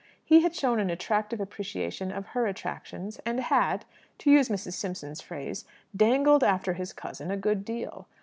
He had shown an attractive appreciation of her attractions; and had, to use Mr. Simpson's phrase, "dangled after his cousin" a good deal.